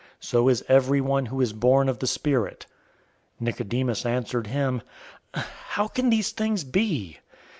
So is everyone who is born of the Spirit." 003:009 Nicodemus answered him, "How can these things be?"